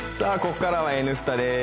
ここからは「Ｎスタ」です。